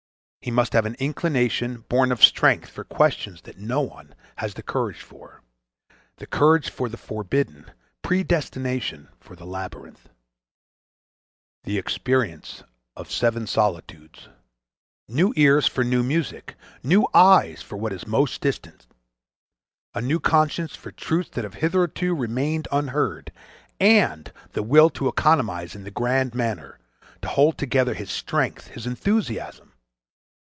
He must have an inclination, born of strength, for questions that no one has the courage for; the courage for the forbidden; predestination for the labyrinth. The experience of seven solitudes. New ears for new music. New eyes for what is most distant. A new conscience for truths that have hitherto remained unheard. And the will to economize in the grand manner—to hold together his strength, his enthusiasm....